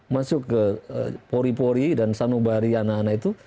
masuk ke pori pori dan sanubari anak anak itu